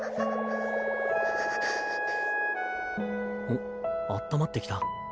おっあったまってきた。